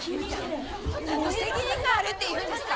何の責任があるっていうんですか！？